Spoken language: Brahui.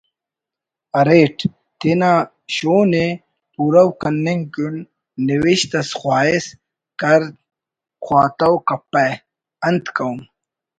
اریٹ) تینا شون ءِ پورو کننگ کن نوشت است خواہس کر خواتو کپہ‘ انت قوم